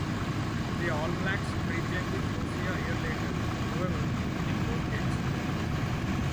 The All Blacks reclaimed the trophy a year later, however, winning both games.